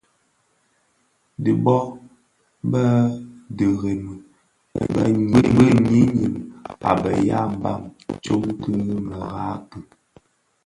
Dhi bo Bè dhemremi bi ňyinim a be ya mbam tsom ki merad ki.